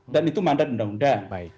dan itu mandat undang undang